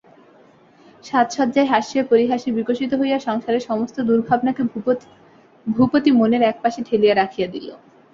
সাজসজ্জায় হাস্যে পরিহাসে বিকশিত হইয়া সংসারের সমস্ত দুর্ভাবনাকে ভূপতি মনের একপাশে ঠেলিয়া রাখিয়া দিল।